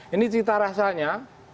ini cita rasanya